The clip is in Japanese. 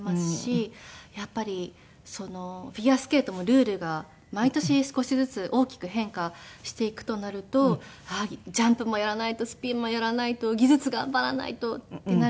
やっぱりフィギュアスケートもルールが毎年少しずつ大きく変化していくとなるとジャンプもやらないとスピンもやらないと技術頑張らないとってなると。